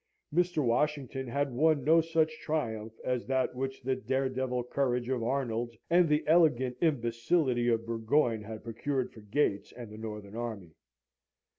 Mr. Washington had won no such triumph as that which the dare devil courage of Arnold and the elegant imbecility of Burgoyne had procured for Gates and the northern army.